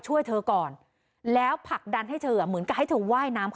ห้าตะโกนแล้วเหลือจมคมละสามค่ะ